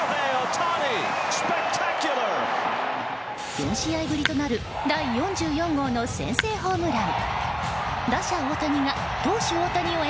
４試合ぶりとなる第４４号の先制ホームラン。